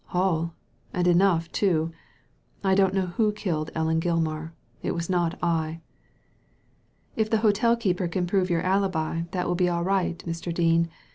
All I — and enough, too. I don't know who killed Ellen Gilmar. It was not I." " If the hotel keeper can prove your alibi that will be all right, Mr. Dean.